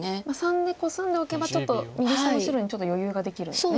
③でコスんでおけば右下の白にちょっと余裕ができるんですね。